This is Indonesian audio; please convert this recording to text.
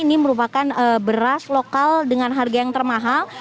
ini merupakan beras lokal dengan harga yang termahal